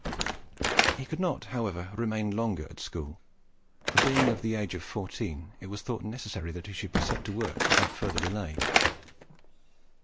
He could not, however, remain longer at school; for being of the age of fourteen, it was thought necessary that he should be set to work without further delay.